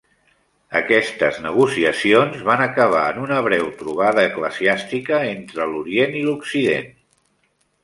Aquestes negociacions van acabar en una breu trobada eclesiàstica entre l'Orient i l'Occident.